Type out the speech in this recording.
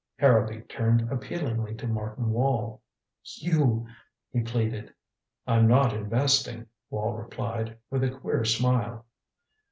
Harrowby turned appealingly to Martin Wall. "You " he pleaded. "I'm not investing," Wall replied, with a queer smile.